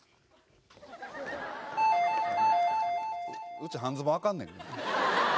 うち半ズボンあかんねん。